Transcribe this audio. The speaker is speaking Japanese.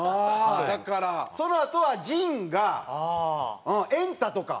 だからそのあとは陣が『エンタ』とか。